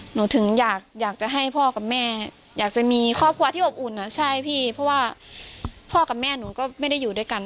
หนูถึงอยากจะให้พ่อกับแม่อยากจะมีครอบครัวที่อบอุ่นอ่ะใช่พี่เพราะว่าพ่อกับแม่หนูก็ไม่ได้อยู่ด้วยกัน